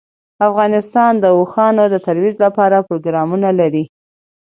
افغانستان د اوښانو د ترویج لپاره پروګرامونه لري.